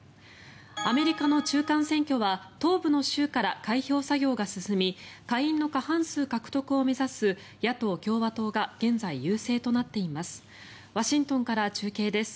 アメリカの中間選挙は東部の州から開票作業が進み下院の過半数獲得を目指す野党・共和党が現在、優勢となっています。